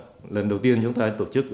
đó là lần đầu tiên chúng ta tổ chức